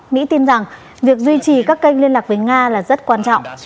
mỹ tin rằng việc duy trì các kênh liên lạc với nga là rất quan trọng